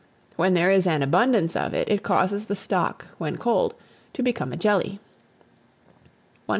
When there is an abundance of it, it causes the stock, when cold, to become a jelly. 100.